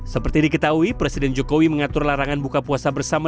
seperti diketahui presiden jokowi mengatur larangan buka puasa bersama